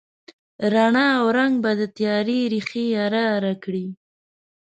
رڼا او رنګ به د تیارې ریښې اره، اره کړي